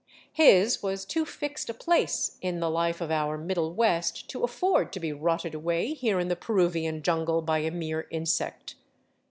His was too fixed a place in the life of our Middle West to afford to be rotted away here in the Peruvian jungle by a mere insect.